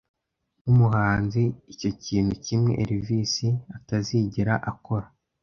Nkumuhanzi icyo ikintu kimwe Elvis atazigera akora